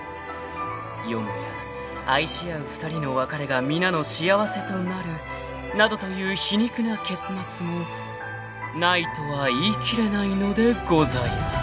［よもや愛し合う２人の別れが皆の幸せとなるなどという皮肉な結末もないとは言い切れないのでございます］